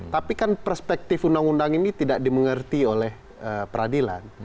tapi kan perspektif undang undang ini tidak dimengerti oleh peradilan